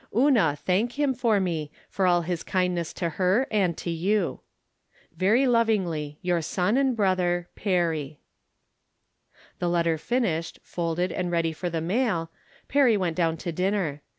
Una, thank him for me, for all his kindness to her and to you. Very lovingly, your son, and brother, Peeey. The letter finished, folded and ready for the mail, Perry went down to dinner.